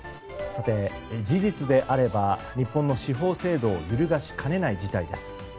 事実であれば日本の司法制度を揺るがしかねない事態です。